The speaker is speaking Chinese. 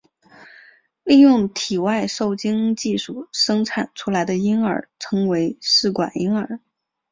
利用体外受精技术生产出来的婴儿称为试管婴儿。